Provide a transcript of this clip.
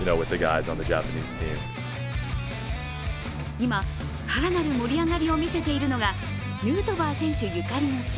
今、更なる盛り上がりを見せているのがヌートバー選手ゆかりの地